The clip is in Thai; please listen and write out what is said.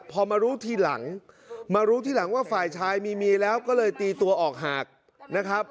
พอมารู้ทีหลังมารู้ทีหลังว่าฝ่ายชายมีเมียแล้วก็เลยตีตัวออกหากนะครับ